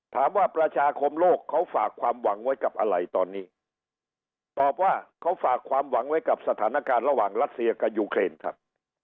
ประชาคมโลกเขาฝากความหวังไว้กับอะไรตอนนี้ตอบว่าเขาฝากความหวังไว้กับสถานการณ์ระหว่างรัสเซียกับยูเครนครับ